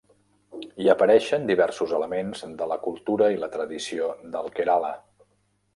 Hi apareixen diversos elements de la cultura i la tradició del Kerala.